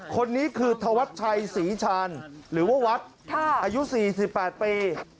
คนนี้คือธวัชชัยศรีชาญหรือว่าวัดอายุ๔๘ปี